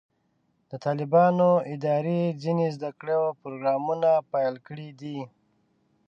د طالبانو ادارې ځینې زده کړو پروګرامونه پیل کړي دي.